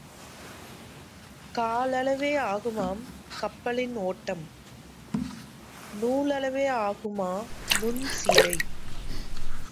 காலளவே ஆகுமாம் கப்பலின் ஓட்டம், நூலளவே ஆகுமாநுண்சீலை.